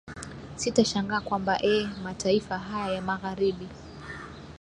sitashangaa kwamba eeh mataifa haya ya magharibi